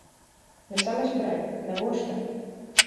На самай справе, навошта?